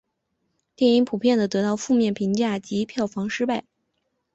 电影普遍地得到负面评价及票房失败。